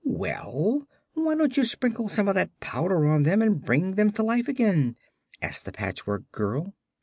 "Well, why don't you sprinkle some of that powder on them and bring them to life again?" asked the Patchwork Girl.